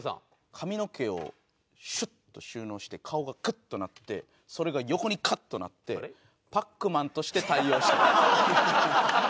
髪の毛をシュッと収納して顔がクッとなってそれが横にカッとなってパックマンとして対応した。